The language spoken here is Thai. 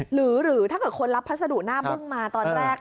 หรือถ้าเกิดคนรับพัสดุหน้าบึ้งมาตอนแรก